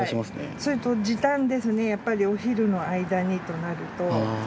それとやっぱりお昼の間にとなると。